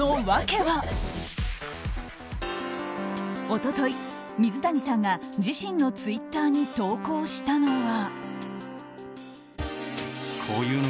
一昨日、水谷さんが自身のツイッターに投稿したのは。